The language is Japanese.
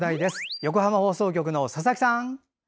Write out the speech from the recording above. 横浜放送局、佐々木さん！